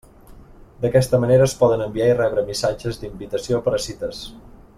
D'aquesta manera es poden enviar i rebre missatges d'invitació per a cites.